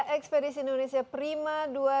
ekspedisi indonesia prima